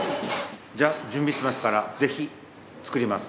じゃあ準備しますからぜひ作ります。